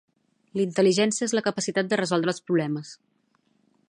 L'Intel•ligència és la capacitat de resoldre els problemes